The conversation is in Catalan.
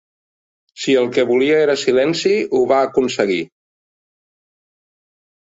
Si el que volia era silenci, ho va aconseguir.